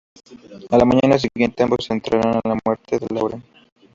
A la mañana siguiente ambos se enteran de la muerte de Lauren.